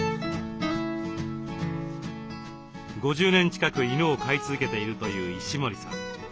５０年近く犬を飼い続けているという石森さん。